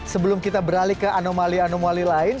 sebelum kita beralih ke anomali anomali lain